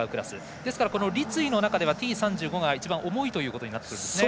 ですから、立位の中ではＴ３５が一番重いということになるんですね。